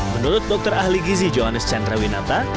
menurut dokter ahli gizi johannes chandrawinata